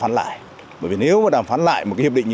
khi các bộ trưởng đã đáp ứng hiệp định